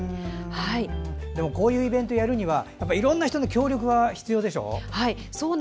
でも、こういうイベントをやるには、いろんな人の協力が必要でしょう？